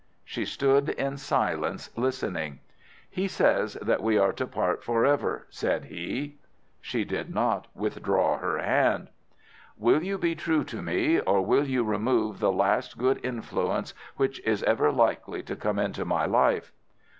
"She stood in silence, listening. "'He says that we are to part for ever,' said he. "She did not withdraw her hand. "'Will you be true to me, or will you remove the last good influence which is ever likely to come into my life?